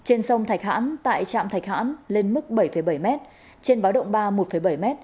trên sông thạch hãn tại trạm thạch hãn lên mức bảy bảy m trên báo động ba một bảy m